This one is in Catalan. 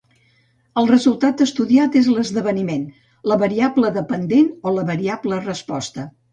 El resultat estudiat és l'esdeveniment, la variable dependent o la variable resposta.